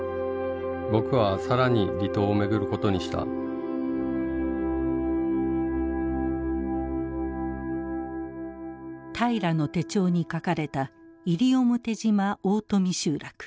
僕は更に離島をめぐることにした平良の手帳に書かれた西表島大富集落。